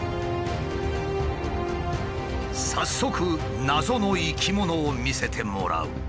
早速謎の生き物を見せてもらう。